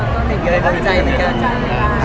ก็เห็นเยอะในใจเหมือนกัน